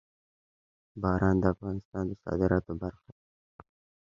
باران د افغانستان د صادراتو برخه ده.